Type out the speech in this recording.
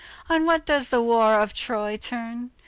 On what does the war of Troy turn?